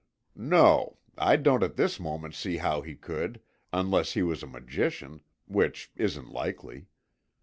"No, I don't at this moment see how he could, unless he was a magician, which isn't likely.